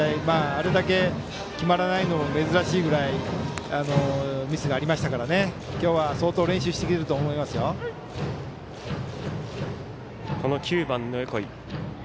あれだけ決まらないのも珍しいぐらいミスがありましたから今日は、相当練習してきてると９番の横井。